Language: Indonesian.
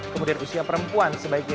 kemudian usia perempuan sebaiknya